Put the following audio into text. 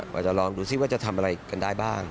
อาจจะลองดูซิว่าจะทำอะไรกันได้บ้าง